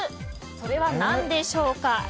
それは何でしょうか？